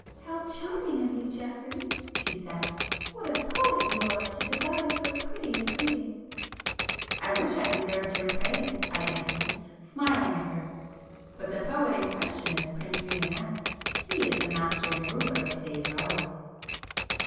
"How charming of you, Geoffrey!" she said, "What a poet you are to devise so pretty a greeting!" "I wish I deserved your praise!" I answered, smiling at her—"But the poet in question is Prince Rimânez,—he is the master and ruler of to day's revels."